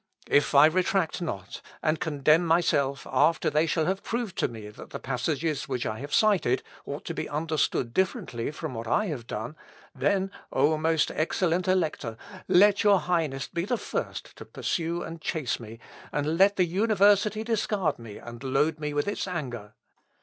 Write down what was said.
If I retract not, and condemn myself after they shall have proved to me that the passages which I have cited ought to be understood differently from what I have done, then, O most excellent Elector, let your Highness be the first to pursue and chase me, let the university discard me, and load me with its anger.